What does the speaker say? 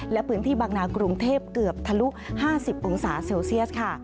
และพื้นที่บางนากรุงเทพเกือบทะลุ๕๐องศาเซลเซียสค่ะ